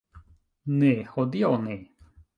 Ne, hodiaŭ ne